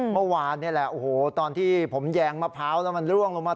เมื่อวานนี่แหละโอ้โหตอนที่ผมแยงมะพร้าวแล้วมันร่วงลงมา